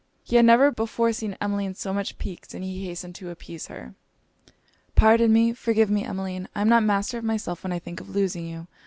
He had never before seen Emmeline so much piqued, and he hastened to appease her. 'Pardon me! forgive me, Emmeline! I am not master of myself when I think of losing you!